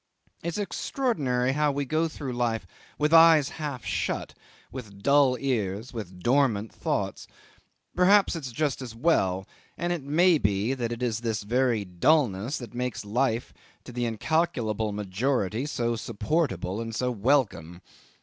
It's extraordinary how we go through life with eyes half shut, with dull ears, with dormant thoughts. Perhaps it's just as well; and it may be that it is this very dullness that makes life to the incalculable majority so supportable and so welcome.